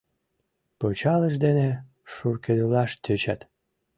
Пычалышт дене шуркедылаш тӧчат.